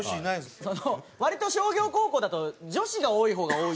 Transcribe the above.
その割と商業高校だと女子が多い方が多いというか。